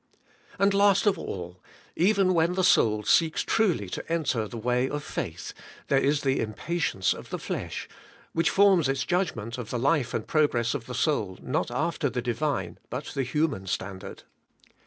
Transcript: And, last of all, even when the soul seeks truly to enter the way of faith, there is the impatience of the flesh, which forms its judgment of the life and prog ress of the soul not after the Divine but the human standard.